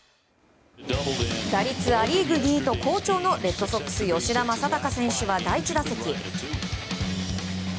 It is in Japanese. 打率ア・リーグ２位と好調のレッドソックス、吉田正尚選手は第１打席。